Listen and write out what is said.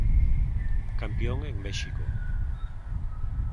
Campión en México.